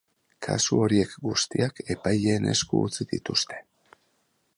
Kasu horiek guztiak epaileen esku utzi dituzte.